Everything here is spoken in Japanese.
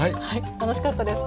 楽しかったです。